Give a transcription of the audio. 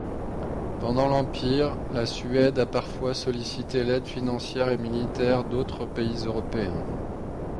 Pendant l'Empire, la Suède a parfois sollicité l'aide financière et militaire d'autres pays européens.